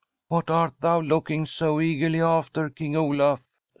* What art thou looking so eagerly after, King Olaf